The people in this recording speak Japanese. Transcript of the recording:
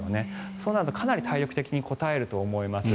そうなるとかなり体力的にこたえると思います。